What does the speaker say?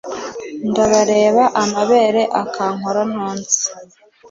ndabareba amabere akankora ntonsa